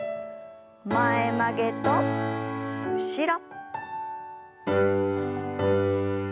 前曲げと後ろ。